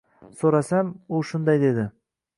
So`rasam, u shunday dedi